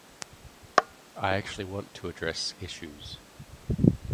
I actually want to address issues.